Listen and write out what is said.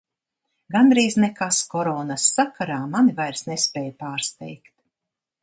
Gandrīz nekas Koronas sakarā mani vairs nespēj pārsteigt.